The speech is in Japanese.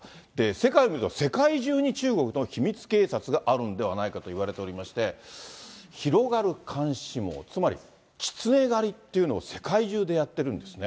世界見ると、世界中に中国の秘密警察があるんではないかといわれていまして、広がる監視網、つまり、キツネ狩りっていうのを世界中でやっているんですね。